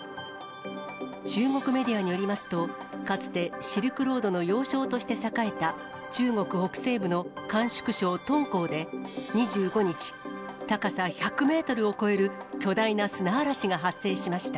中国メディアによりますと、かつてシルクロードの要衝として栄えた、中国北西部の甘粛省敦煌で、２５日、高さ１００メートルを超える巨大な砂嵐が発生しました。